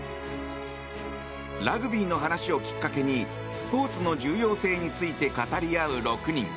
ラグビーの話をきっかけにスポーツの重要性について語り合う６人。